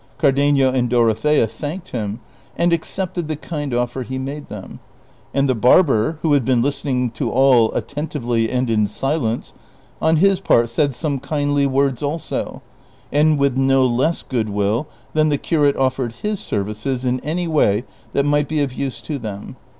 Cardenio and Dorothea thanked him, and accepted the kind offer he made them ; and the Ijarber, Avho had been listening to all attentively and in silence, on his part said some kindly words also, and with no less good will than the curate offered his services in any way that might be of use to them.